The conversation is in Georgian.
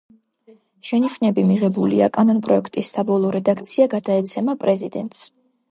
შენიშვნები მიღებულია, კანონპროექტის საბოლოო რედაქცია გადაეცემა პრეზიდენტს.